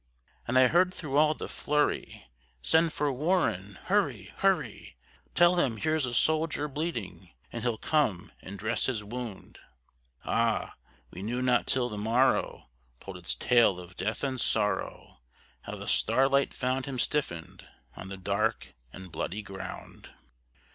And I heard through all the flurry, "Send for WARREN! hurry! hurry! Tell him here's a soldier bleeding, and he'll come and dress his wound!" Ah, we knew not till the morrow told its tale of death and sorrow, How the starlight found him stiffened on the dark and bloody ground.